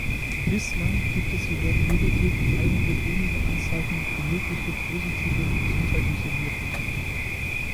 Bislang gibt es jedoch lediglich einige wenige Anzeichen für mögliche positive gesundheitliche Wirkungen.